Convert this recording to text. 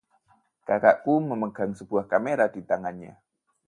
Kakakku memegang sebuah kamera di tangannya.